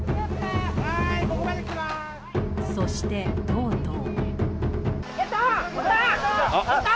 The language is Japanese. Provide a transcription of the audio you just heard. そして、とうとう。